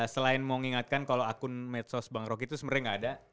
selain mau ngingatkan kalo akun medsos bang roky itu sebenernya gak ada